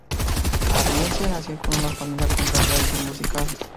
Andriessen nació en una familia con gran tradición musical.